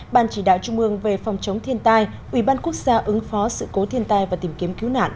ban chỉ đạo trung ương về phòng chống thiên tai ubnd quốc gia ứng phó sự cố thiên tai và tìm kiếm cứu nạn